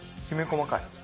きめ細かい。